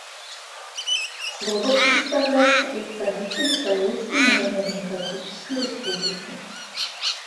Слово предоставляется представителю Корейской Народно-Демократической Республики.